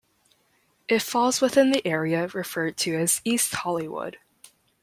It falls within the area referred to as East Hollywood.